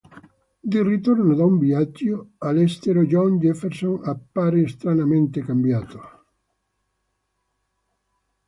Di ritorno da un viaggio all'estero John Jefferson appare stranamente cambiato.